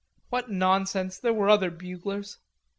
What nonsense! There were other buglers.